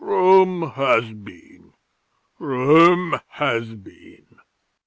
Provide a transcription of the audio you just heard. Rome has been! Rome has been!"